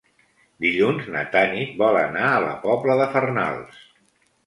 Dilluns na Tanit vol anar a la Pobla de Farnals.